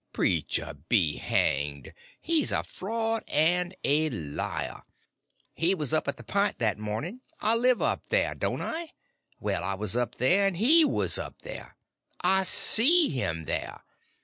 "Preacher be hanged, he's a fraud and a liar. He was up at the Pint that mornin'. I live up there, don't I? Well, I was up there, and he was up there. I see him there.